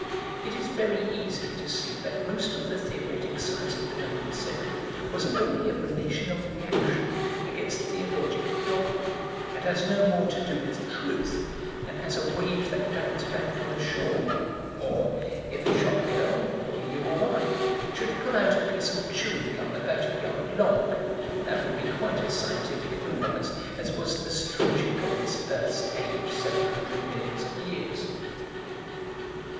It is very easy to see that most of the theoretic science of the 19th century was only a relation of reaction against theologic dogma, and has no more to do with Truth than has a wave that bounds back from a shore. Or, if a shop girl, or you or I, should pull out a piece of chewing gum about a yard long, that would be quite as scientific a performance as was the stretching of this earth's age several hundred millions of years.